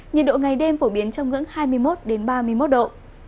nhiệt độ ngày đêm phổ biến trong ngưỡng hai mươi một ba mươi một độ